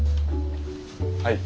はい？